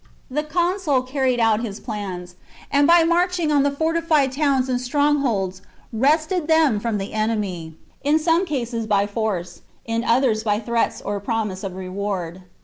The consul carried out his plan, and by chap LXXXIX. marching on the fortified towns and strongholds wrested them from the enemy, in some cases by force, in others by threats or promise of reward.